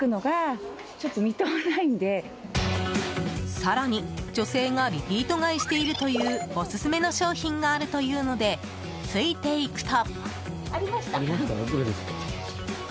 更に、女性がリピート買いしているというオススメの商品があるというのでついて行くと。